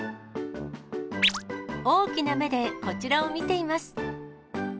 大きな目でこちらを見ています。